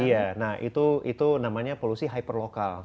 iya nah itu namanya polusi hyperlokal